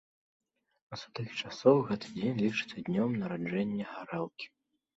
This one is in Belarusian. З тых часоў гэты дзень лічыцца днём нараджэння гарэлкі.